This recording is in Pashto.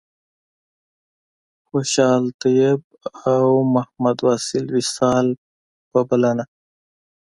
خوشحال طیب او محمد واصل وصال به منله.